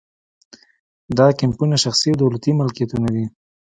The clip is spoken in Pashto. دا کیمپونه شخصي او دولتي ملکیتونه دي